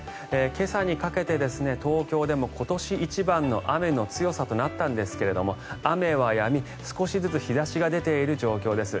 今朝にかけて東京でも今年一番の雨の強さとなったんですが雨はやみ、少しずつ日差しが出ている状況です。